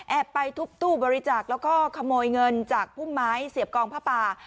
ไปทุบตู้บริจาคแล้วก็ขโมยเงินจากพุ่มไม้เสียบกองผ้าป่า